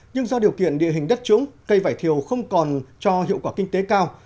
nhưng do điều kiện địa hình đất trũng cây vải thiều không còn cho hiệu quả kinh tế cao